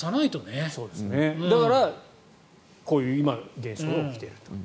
だから、こういう今の現状が起きていると。